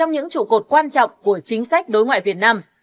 những trụ cột quan trọng của chính sách đối ngoại việt nam